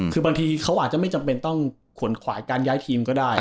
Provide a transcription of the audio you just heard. คือบางทีเขาอาจจะไม่จำเป็นต้องขนขวายการย้ายทีมก็ได้